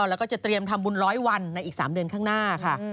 แล้วก็จะเตรียมทำบุญ๑๐๐วันในอีก๓เดือนข้างหน้าค่ะ